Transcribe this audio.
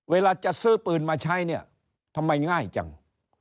เวลาจะซื้อปืนมาใช้เนี่ยทำไมง่ายจัง